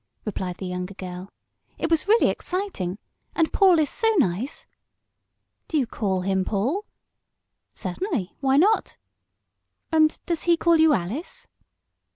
replied the younger girl. "It was really exciting. And Paul is so nice!" "Do you call him Paul?" "Certainly why not." "And does he call you Alice?"